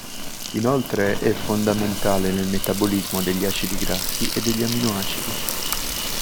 Inoltre è fondamentale nel metabolismo degli acidi grassi e degli amminoacidi.